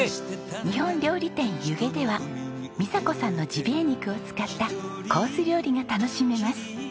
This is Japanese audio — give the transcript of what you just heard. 日本料理店ゆげでは美佐子さんのジビエ肉を使ったコース料理が楽しめます。